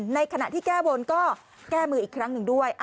ในขณะที่แก้บนก็แก้มืออีกครั้งหนึ่งด้วย